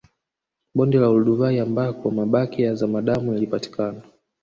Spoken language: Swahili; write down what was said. Bonde la Olduvai ambako mabaki ya zamadamu yalipatikana